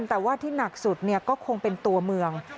แต่ว่าที่หนักสุดก็คงเป็นตัวเมือง